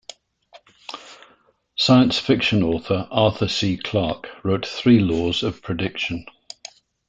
Science fiction author Arthur C. Clarke wrote three laws of prediction.